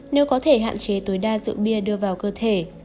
nếu có thể hạn chế tối đa rượu bia đưa vào cơ thể